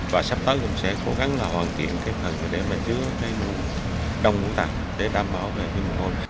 và sắp tới cũng sẽ cố gắng hoàn thiện phần để chứa mũ đông mũ tạp để đảm bảo về mùi hôi